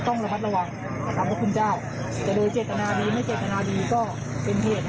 ก็ต้องระพัดระหว่างครับพระคุณเจ้าแต่โดยเจตนาดีไม่เจตนาดีก็เป็นเหตุให้ผู้ต้องบริษัทเขา